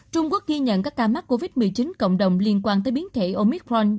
trung quốc ghi nhận các ca mắc covid một mươi chín cộng đồng liên quan tới biến thể omitron